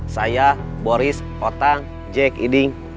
saya boris otang jack iding